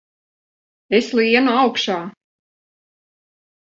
Es lienu augšā!